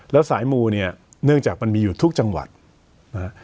แล้วสายมูเนี่ยเนื่องจากมันมีอยู่ทุกจังหวัดนะฮะ